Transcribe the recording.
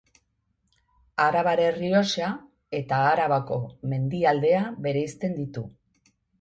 Arabar Errioxa eta Arabako Mendialdea bereizten ditu.